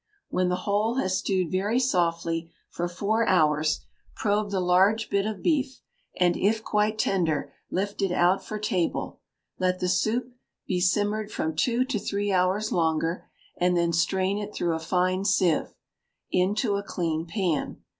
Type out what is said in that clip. When the whole has stewed very softly for four hours, probe the large bit of beef, and, if quite tender, lift it out for table; let the soup he simmered from two to three hours longer, and then strain it through a fine sieve, into a clean pan.